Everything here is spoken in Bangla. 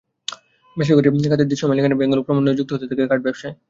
বেসরকারি খাতের দেশীয় মালিকানার ব্যাংকগুলোও ক্রমান্বয়ে যুক্ত হতে থাকে কার্ড ব্যবসায়।